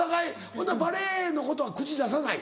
ほなバレエのことは口出さない？